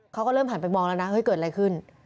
เขาก็เริ่มหันไปมองแล้วนะเฮ้ยเกิดอะไรขึ้น